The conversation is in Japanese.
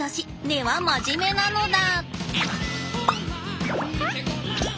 根は真面目なのだ。